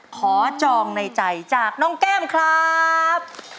จองในใจจากน้องแก้มครับ